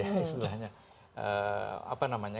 ya kita itu sebetulnya penanganannya sudah harus khusus ya